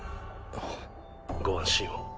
ご安心を。